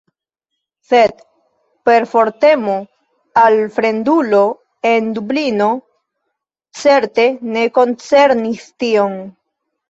Sed perfortemo al fremdulo en Dublino certe ne koncernis tion.